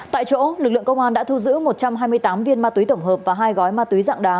tại chỗ lực lượng công an đã thu giữ một trăm hai mươi tám viên ma túy tổng hợp và hai gói ma túy dạng đá